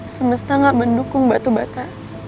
semesta gak mendukung batu bata